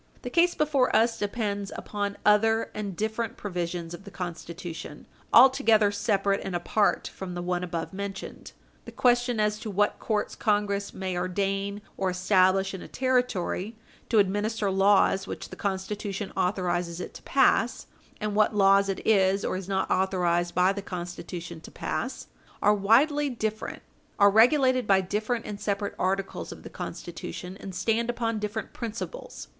The case before us depends upon other and different provisions of the Constitution altogether separate and apart from the one above mentioned. The question as to what courts Congress may ordain or establish in a Territory to administer laws which the Constitution authorizes it to pass, and what laws it is or is not authorized by the Constitution to pass, are widely different are regulated by different and separate articles of the Constitution, and stand upon different principles.